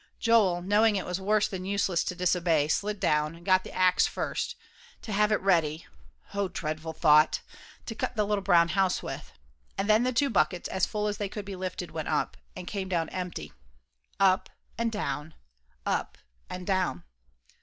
Joel, knowing it was worse than useless to disobey, slid down, and got the axe first, to have it ready oh, dreadful thought! to cut the little brown house with; and then the two buckets, as full as they could be lifted, went up, and came down empty. Up and down. Up and down.